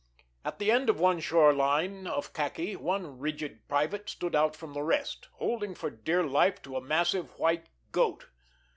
At the end of one shore line of khaki one rigid private stood out from the rest, holding for dear life to a massive white goat.